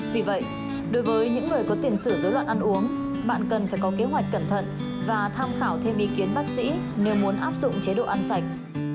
vì vậy đối với những người có tiền sử dối loạn ăn uống bạn cần phải có kế hoạch cẩn thận và tham khảo thêm ý kiến bác sĩ nếu muốn áp dụng chế độ ăn sạch